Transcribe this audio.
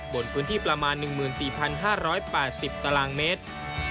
บนพื้นที่ประมาณ๑๔๕๘๐ตารางเมตร